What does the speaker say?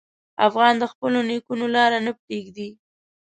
افغان د خپلو نیکونو لار نه پرېږدي.